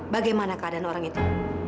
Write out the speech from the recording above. bagaimana keadaan orang itu